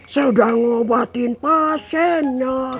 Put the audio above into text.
saya udah ngobatin pasiennya